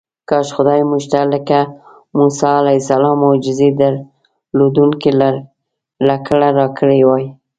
کاش خدای موږ ته لکه موسی علیه السلام معجزې درلودونکې لکړه راکړې وای.